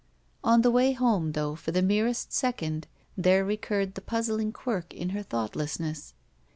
On the way home, though, for the merest second, there recurred the puzzling quirk in her thought lessness.